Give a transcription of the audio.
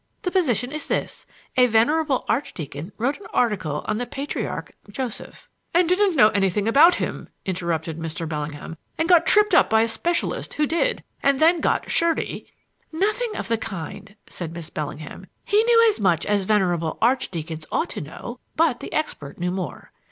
The position is this: A venerable Archdeacon wrote an article on the patriarch Joseph " "And didn't know anything about him," interrupted Mr. Bellingham, "and got tripped up by a specialist who did, and then got shirty " "Nothing of the kind," said Miss Bellingham. "He knew as much as venerable archdeacons ought to know; but the expert knew more.